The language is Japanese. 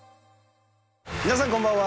皆さんこんばんは。